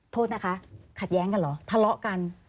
โทษนะคะขัดแย้งกันเหรอทะเลาะกัน